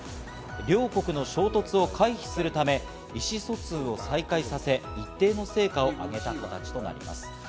両国の衝突を回避するため意思疎通を再開させ、一定の成果をあげた形となります。